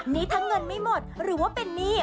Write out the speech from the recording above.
นี่ถ้าเงินไม่หมดหรือว่าเป็นหนี้